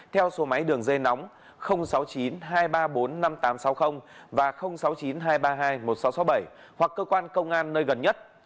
theo số máy đường dây nóng sáu mươi chín hai trăm ba mươi bốn năm nghìn tám trăm sáu mươi và sáu mươi chín hai trăm ba mươi hai một nghìn sáu trăm sáu mươi bảy hoặc cơ quan công an nơi gần nhất